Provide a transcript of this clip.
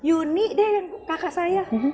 uni deh kakak saya